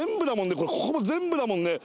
これここも全部だもんね。